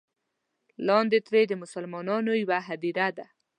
لاندې ترې د مسلمانانو یوه هدیره ده.